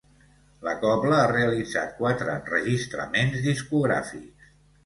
La cobla ha realitzat quatre enregistraments discogràfics.